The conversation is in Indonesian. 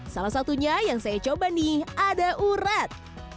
salah satunya yang saya coba nih ada urat